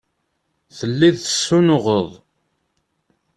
Telliḍ tessunuɣeḍ.